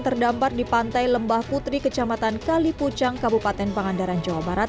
terdampar di pantai lembah putri kecamatan kalipucang kabupaten pangandaran jawa barat